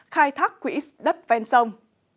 khai thác quỹ đất ven sông